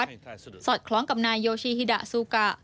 สอดคล้องกับนายโยชิฮิดะซูกะ